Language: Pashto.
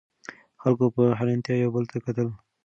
خلکو په حیرانتیا یو بل ته کتل.